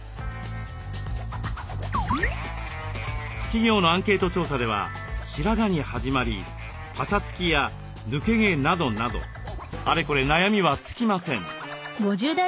企業のアンケート調査では「白髪」に始まり「パサつき」や「抜け毛」などなどあれこれ悩みは尽きません。